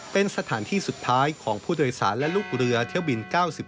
เป็นสถานที่สุดท้ายของผู้โดยสารและลูกเรือเที่ยวบิน๙๑